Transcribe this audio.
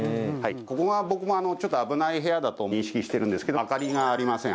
ここが僕も危ない部屋だと認識してるんですけど明かりがありません